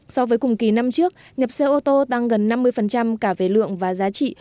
so với cùng kỳ năm trước nhập xe ô tô tăng gần năm mươi cả về lượng và giá trị